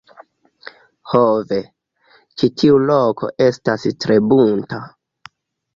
Ho ve! ĉi tiu loko estas tre bunta!